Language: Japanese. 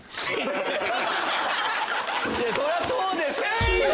そりゃそうですよ！